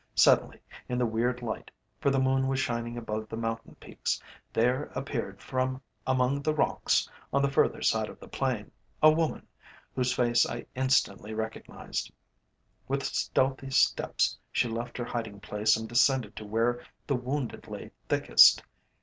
Suddenly, in the weird light, for the moon was shining above the mountain peaks, there appeared from among the rocks on the further side of the plain a woman, whose face I instantly recognised. With stealthy steps she left her hiding place and descended to where the wounded lay thickest.